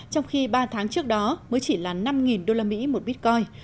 trong khi ba tháng trước đó mới chỉ là năm usd một bitcoin